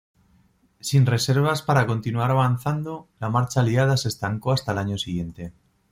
Sin reservas para continuar avanzando, la marcha aliada se estancó hasta el año siguiente.